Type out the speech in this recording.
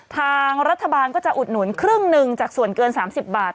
ทางรัฐบาลก็จะอุดหนุนครึ่งหนึ่งจากส่วนเกิน๓๐บาท